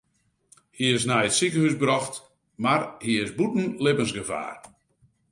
Hy is nei it sikehús brocht mar hy is bûten libbensgefaar.